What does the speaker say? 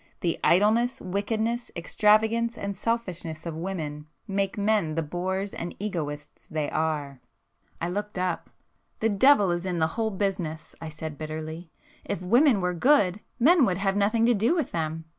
The idleness, wickedness, extravagance and selfishness of women, make men the boors and egotists they are." [p 387]I looked up. "The devil is in the whole business;"—I said bitterly—"If women were good, men would have nothing to do with them.